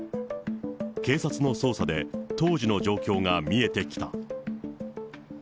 警察の捜査で当時の状況が見えてきた。